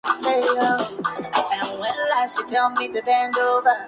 Le sucedió en la Consejería de Ciencia, Tecnología y Universidades María Pilar Ventura Contreras.